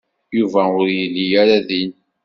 Yuba ur yelli ara din.